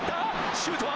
シュートは。